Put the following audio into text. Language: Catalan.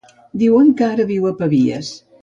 Diuen que ara viu a Pavies.